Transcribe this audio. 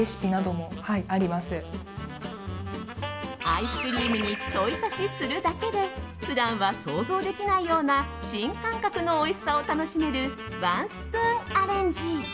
アイスクリームにちょい足しするだけで普段は想像できないような新感覚のおいしさを楽しめる、ワンスプーンアレンジ。